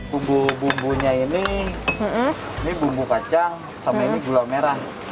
bumbu bumbunya ini ini bumbu kacang sama ini gula merah